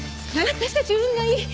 私たち運がいい。